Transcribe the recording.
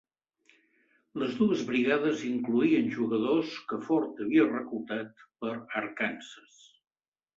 Les dues brigades incloïen jugadors que Ford havia reclutat per Arkansas.